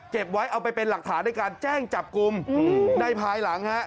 เก็บไว้เอาไปเป็นหลักฐานในการแจ้งจับกลุ่มในภายหลังฮะ